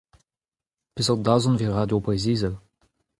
Peseurt dazont evit Radio Breizh Izel ?